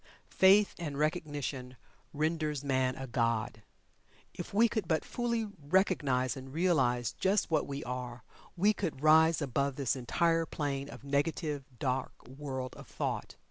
Faith and Recognition renders man a god. If we could but fully recognize and realize just what we are, we could rise above this entire plane of negative, dark world of thought.